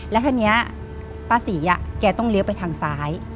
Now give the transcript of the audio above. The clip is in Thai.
และท่านเนี่ยป้าศรีอ่ะแกต้องเลี้ยวไปทางซ้าย